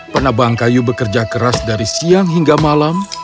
penebang kayu bekerja keras dari siang hingga malam